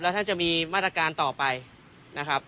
ท่านจะมีมาตรการต่อไปนะครับ